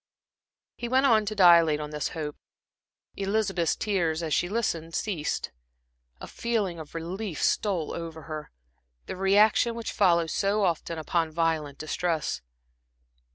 He went on to dilate on this hope. Elizabeth's tears as she listened, ceased. A feeling of relief stole over her, the reaction which follows so often upon violent distress.